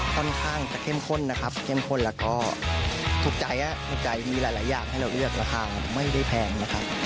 ค่อนข้างจะเข้มข้นนะครับเข้มข้นแล้วก็ถูกใจถูกใจดีหลายอย่างให้เราเลือกราคาไม่ได้แพงนะครับ